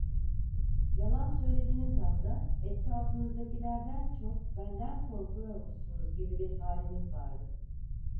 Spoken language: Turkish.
Yalan söylediğiniz anda, etrafınızdakilerden çok benden korkuyormuşsunuz gibi bir haliniz vardı.